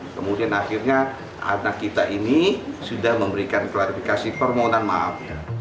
kemudian akhirnya anak kita ini sudah memberikan klarifikasi permohonan maaf